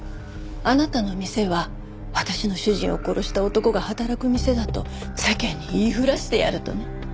あなたの店は私の主人を殺した男が働く店だと世間に言いふらしてやるとね。